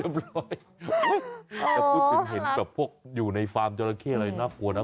พูดเป็นเห็นกับพวกอยู่ในโดรกเกษอะไรน่ะกลัวนะ